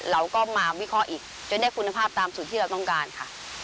เราก็มาวิเคราะห์อีกจนได้คุณภาพตามสูตรที่เราต้องการค่ะ